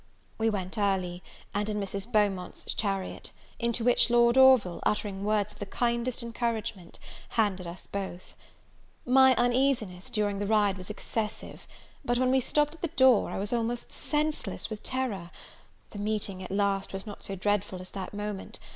We went early, and in Mrs. Beaumont's chariot; into which Lord Orville, uttering words of the kindest encouragement, handed us both. My uneasiness, during the ride, was excessive; but, when we stopped at the door, I was almost senseless with terror! the meeting, at last, was not so dreadful as that moment!